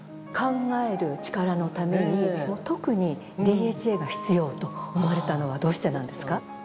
考えるチカラのために特にＤＨＡが必要と思われたのはどうしてなんですか？